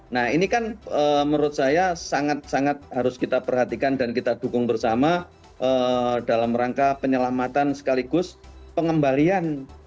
nah ini kan menurut saya sangat sangat harus kita perhatikan dan kita dukung bersama dalam rangka penyelamatan sekaligus pengembalian